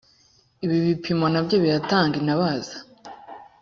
ibi bipimo nabyo biratanga intabaza